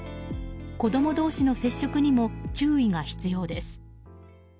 子供同士の接触にも注意が必要です。